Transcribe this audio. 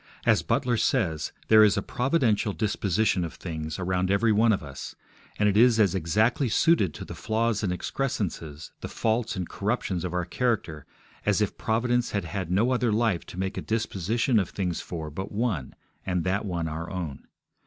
As Butler says, there is 'a providential disposition of things' around every one of us, and it is as exactly suited to the flaws and excrescences, the faults and corruptions of our character as if Providence had had no other life to make a disposition of things for but one, and that one our own.